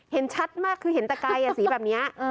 เห็นชัดมากคือเห็นตะไกรสีแบบนี้